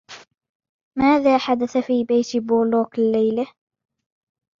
ماذا حدث في بيت بولوك الليلة ؟